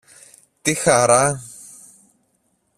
Τι χαρά!